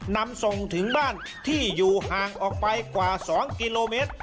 นำส่งถึงบ้านที่อยู่ห่างออกไปกว่า๒กิโลเมตร